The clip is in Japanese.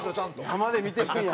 生で見てるんや。